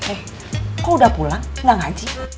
eh kau udah pulang nggak ngaji